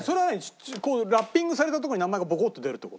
ラッピングされたとこに名前がボコッて出るって事？